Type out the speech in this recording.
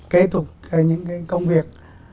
kết thúc những cái công việc